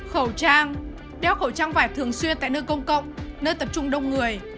khẩu trang đeo khẩu trang vải thường xuyên tại nơi công cộng nơi tập trung đông người